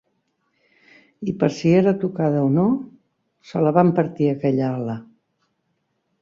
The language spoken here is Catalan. I per si era tocada o no, se la van partir aquella ala